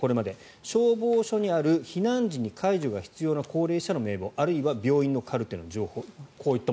消防署にある避難時に介助が必要な高齢者の名簿あるいは病院のカルテ情報。